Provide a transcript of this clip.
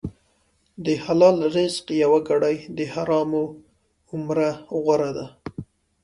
د حلال رزق یوه ګړۍ د حرامو عمره غوره ده.